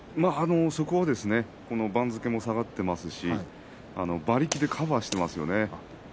そこですね番付も下がっていますし馬力でカバーしていますよね。